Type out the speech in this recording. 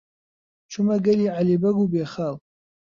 چوومە گەلی عەلی بەگ و بێخاڵ.